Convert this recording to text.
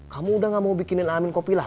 kamu udah gak mau bikinin amin kopi lah